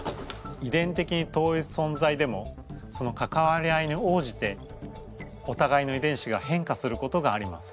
遺伝的に遠いそんざいでもその関わり合いにおうじておたがいの遺伝子が変化することがあります。